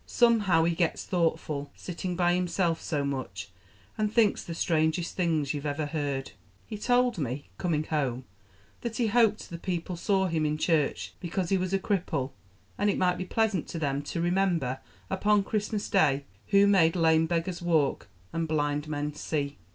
Somehow he gets thoughtful, sitting by himself so much, and thinks the strangest things you ever heard. He told me, coming home, that he hoped the people saw him in the church, because he was a cripple, and it might be pleasant to them to remember upon Christmas Day who made lame beggars walk, and blind men see."